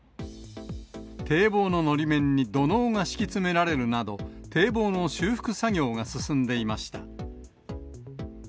堤防ののり面に土のうが敷き詰められるなど、堤防の修復作業が進んでいました。